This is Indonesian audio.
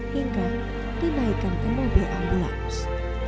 hingga dinaikkan ke mobil ambulans